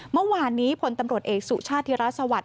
เมื่อวานนี้พลตำรวจเอกสุชาติธิรัฐสวัสดิ